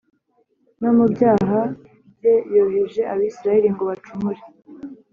no mu byaha bye yoheje Abisirayeli ngo bacumure